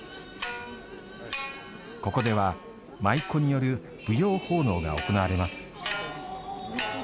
ここでは、舞妓による舞踊奉納が行われます。